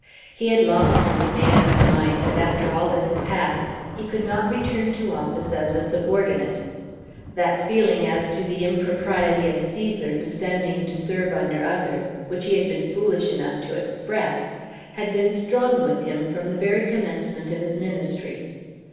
He had long since made up his mind that after all that had passed he could not return to office as a subordinate. That feeling as to the impropriety of Cæsar descending to serve under others which he had been foolish enough to express, had been strong with him from the very commencement of his Ministry.